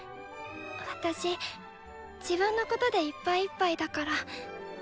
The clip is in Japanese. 私自分のことでいっぱいいっぱいだから尊敬します。